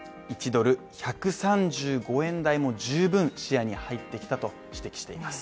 １ドル＝１３５円台も十分視野に入ってきたと指摘しています。